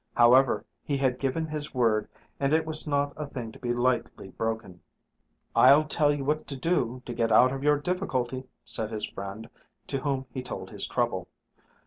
However, he had given his word and it was not a thing to be lightly broken. "I'll tell you what to do to get out of your difficulty," said his friend to whom he told his trouble.